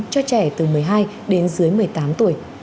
cho trẻ từ một mươi hai đến dưới một mươi tám tuổi